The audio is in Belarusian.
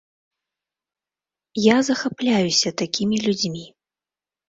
Я захапляюся такімі людзьмі.